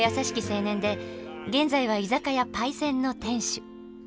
青年で現在は居酒屋「パイセン」の店主。